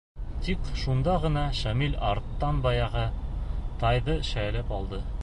Тик шунда ғына Шамил арттан баяғы тайҙы шәйләп алды.